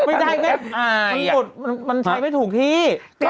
ไม่ได้มันใช้ไม่ถูกที่